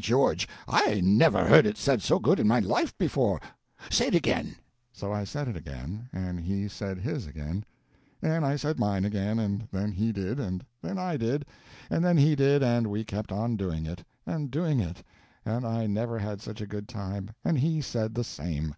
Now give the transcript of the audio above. I'George, I never heard it said so good in my life before! Say it again." So I said it again, and he said his again, and I said mine again, and then he did, and then I did, and then he did, and we kept on doing it, and doing it, and I never had such a good time, and he said the same.